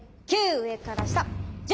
９！上から下。